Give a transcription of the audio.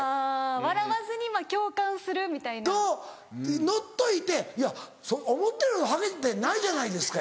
笑わずに共感するみたいな。とノッといて「いや思ってるほどハゲてないじゃないですか」